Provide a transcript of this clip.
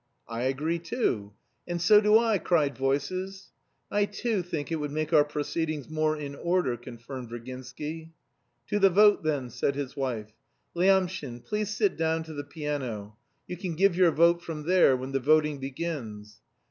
"I agree too." "And so do I," cried voices. "I too think it would make our proceedings more in order," confirmed Virginsky. "To the vote then," said his wife. "Lyamshin, please sit down to the piano; you can give your vote from there when the voting begins."